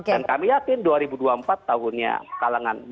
dan kami yakin dua ribu dua puluh empat tahunnya kalangan muda